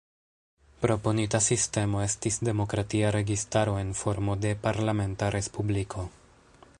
Proponita sistemo estis demokratia registaro en formo de parlamenta respubliko.